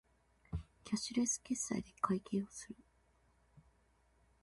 キャッシュレス決済で会計をする